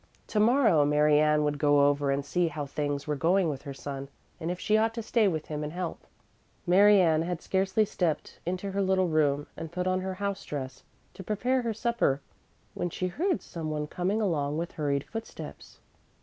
Tomorrow Mary Ann would go over and see how things were going with her son and if she ought to stay with him and help. Mary Ann had scarcely stepped into her little room and put on her house dress, to prepare her supper, when she heard some one coming along with hurried footsteps.